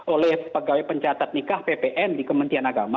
oleh pegawai pencatat nikah ppn di kementerian agama